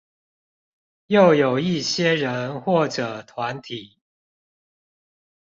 又有一些人或者團體